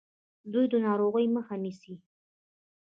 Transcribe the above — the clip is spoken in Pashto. دوی د ناروغیو مخه نیسي.